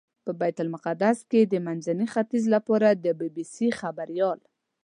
په بیت المقدس کې د منځني ختیځ لپاره د بي بي سي خبریال.